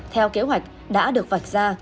theo kế hoạch đã được vạch ra